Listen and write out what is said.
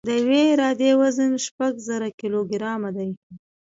د یوې عرادې وزن شپږ زره کیلوګرام دی